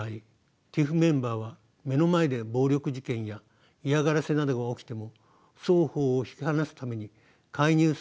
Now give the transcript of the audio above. ＴＩＰＨメンバーは目の前で暴力事件や嫌がらせなどが起きても双方を引き離すために介入することはできません。